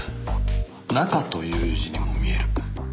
「中」という字にも見える。